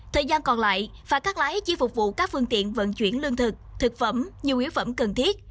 thời gian còn lại phà cắt lái chỉ phục vụ các phương tiện vận chuyển lương thực thực phẩm nhiều yếu phẩm cần thiết